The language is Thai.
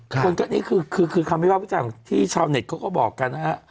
คลิปนี้ขึ้นความให้บอกจะต่ำที่ชาวเน็ตเขาก็บอกกัน